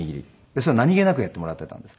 それ何げなくやってもらっていたんです。